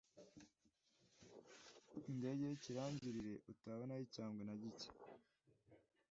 indege y'ikirangirire utabonaho icyangwe na gike